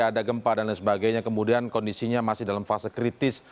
ada gempa dan lain sebagainya kemudian kondisinya masih dalam fase kritis